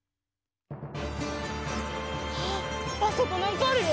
あっあそこなんかあるよ！